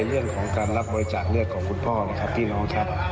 เรื่องของการรับบริจาคเลือดของคุณพ่อนะครับพี่น้องครับ